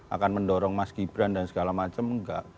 akan mendorong mas gibran dan segala macam enggak